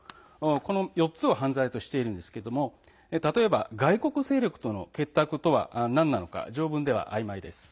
この４つを犯罪としているんですけど例えば、外国勢力との結託とはなんなのか条文ではあいまいです。